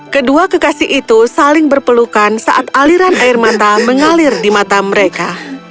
kedua kekasih itu saling berpelukan saat aliran air mata mengalir di mata mereka